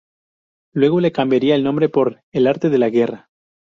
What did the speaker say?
Luego le cambiaría el nombre por "El arte de la guerra".